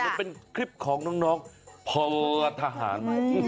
มันเป็นคลิปของน้องพอทหาร